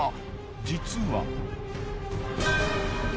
実は。